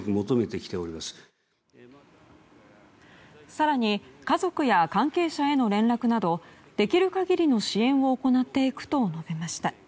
更に、家族や関係者への連絡などできる限りの支援を行っていくと述べました。